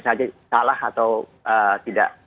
saja salah atau tidak